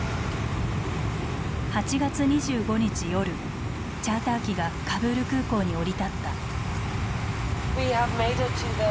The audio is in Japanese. ８月２５日夜チャーター機がカブール空港に降り立った。